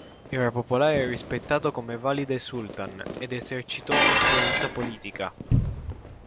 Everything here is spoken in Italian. Era popolare e rispettato come Valide Sultan ed esercitò influenza politica.